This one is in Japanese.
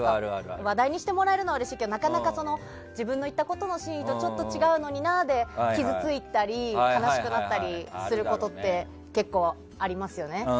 話題にしてもらえるのはうれしいけど、なかなか自分の言ったことの真意とちょっと違うのになって傷ついたり悲しくなったりすることって結構ありますよね。